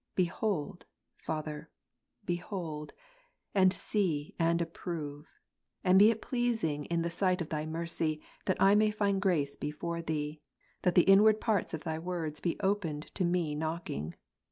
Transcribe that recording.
Behold, Father, behold, and see and approve ;, and be it pleasing in the sight of Thy mercy, that I may find grace before Thee, that the inward parts of Thy words be opened to me knocking.